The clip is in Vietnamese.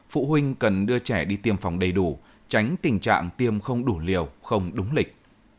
phụ huynh cần đưa trẻ đi tiêm phòng đầy đủ tránh tình trạng tiêm không đủ liều không đúng lịch